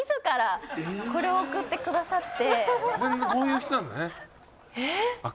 これを送ってくださって。